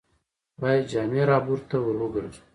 باید جامع رهبرد ته ور وګرځو.